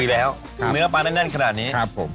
อร่อยเลยอ่ะโอเหร่ยออกนี้ละกันต้อนมีขนาดหนึ่ง